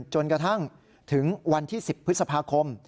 จนกระทั่งถึงวันที่๑๐พฤษภาคม